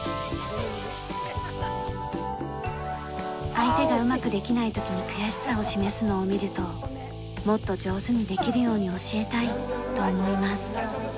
相手がうまくできない時に悔しさを示すのを見るともっと上手にできるように教えたいと思います。